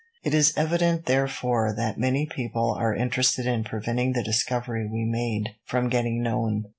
It is evident, therefore, that many people are interested in preventing the discovery we made from getting known.